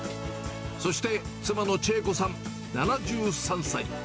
そして妻の千恵子さん７３歳。